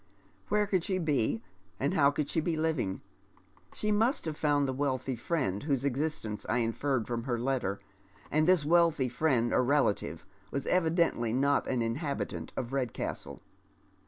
Where could she be, and how could she be living? She mnst have found the wealthy friend whose existence I inferred from her letter, and this wealthy friend or relative was evidently not an inhabitant of Redcastle.